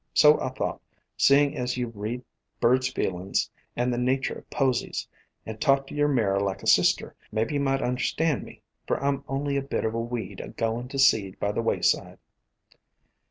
So I thought, seeing as you read birds' feelin's and the natur' of posies, and talk to yer mare like a sister, maybe you might understand me, for I 'm only a bit of a weed agoin' to seed by the wayside."